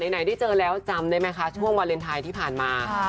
ไหนได้เจอแล้วจำได้ไหมคะช่วงวาเลนไทยที่ผ่านมา